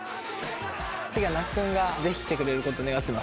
次は那須君がぜひ来てくれる事を願ってます。